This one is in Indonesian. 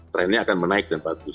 trendnya akan menaik dan bagus